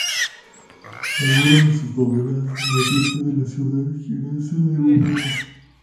Algunas de sus novelas se ambientan en la ciudad jiennense de Úbeda.